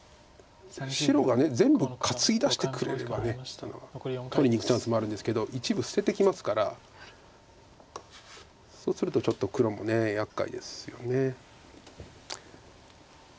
白が全部担ぎ出してくれれば取りにいくチャンスもあるんですけど一部捨ててきますからそうするとちょっと黒も厄介ですよね。